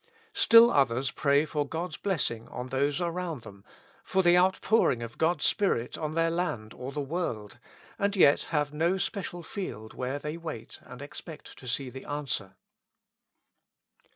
Still others pray for God's blessing on those around them, for the out pouring of God's Spirit on their land or the world, and yet have no special field where they wait and expect to see the answer.